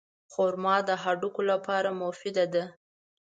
خرما د هډوکو لپاره مفیده ده.